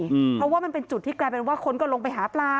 เพราะว่ามันเป็นจุดที่กลายเป็นว่าคนก็ลงไปหาปลา